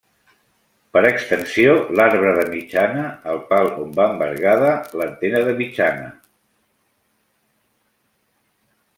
Per extensió l’arbre de mitjana el pal on va envergada l'antena de mitjana.